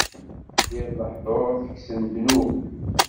Yir lehduṛ, tekksen ddnub;